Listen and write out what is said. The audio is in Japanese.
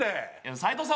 斉藤さん